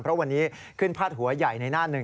เพราะวันนี้ขึ้นพาดหัวใหญ่ในหน้าหนึ่ง